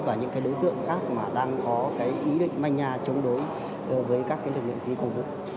và những cái đối tượng khác mà đang có cái ý định manh nha chống đối với các cái lực lượng thi công vụ